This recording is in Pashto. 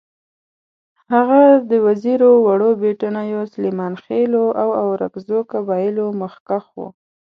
هغه د وزیرو، وړو بېټنیو، سلیمانخېلو او اورکزو قبایلو مخکښ وو.